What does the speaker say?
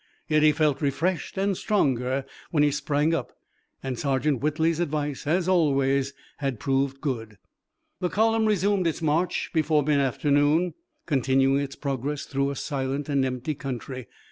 Yet he felt refreshed and stronger when he sprang up, and Sergeant Whitley's advice, as always, had proved good. The column resumed its march before mid afternoon, continuing its progress through a silent and empty country.